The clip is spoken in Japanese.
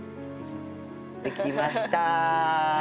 できました！